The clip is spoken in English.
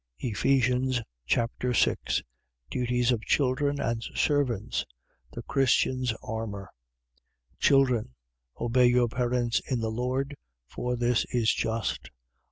Ephesians Chapter 6 Duties of children and servants. The Christian's armour. 6:1. Children, obey your parents in the Lord: for this is just.